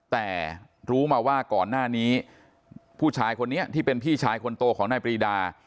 แต่รู้มาว่าก่อนหน้านี้ผู้ชายคนนี้ที่เป็นพี่ชายคนโตของนายปรีดา